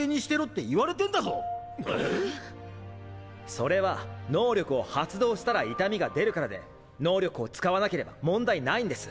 それは能力を発動したら痛みが出るからで能力を使わなければ問題ないんです。